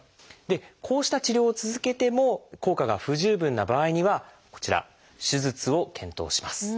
こうした治療を続けても効果が不十分な場合にはこちら手術を検討します。